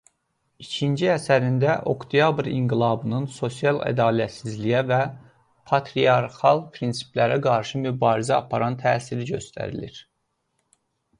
İkinci əsərində oktyabr inqilabının sosial ədalətsizliyə və patriarxal prinsiplərə qarşı mübarizə aparan təsiri göstərilir.